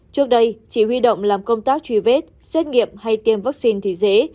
trước đây chỉ huy động làm công tác truy vết xét nghiệm hay tiêm vaccine thì dễ